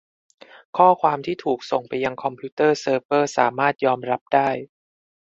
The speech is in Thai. ข้อความที่ถูกส่งไปยังคอมพิวเตอร์เซิร์ฟเวอร์สามารถยอมรับได้